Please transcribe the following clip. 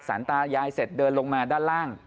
ตายายเสร็จเดินลงมาด้านล่าง